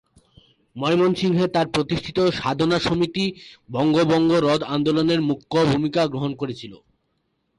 ময়মনসিংহে তার প্রতিষ্ঠিত সাধনা সমিতি বঙ্গভঙ্গ রদ আন্দোলনের মুখ্য ভূমিকা গ্রহণ করেছিলো।